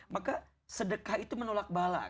maka sedekah itu menolak bahala kan